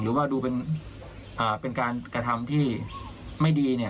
หรือว่าดูเป็นการกระทำที่ไม่ดีเนี่ย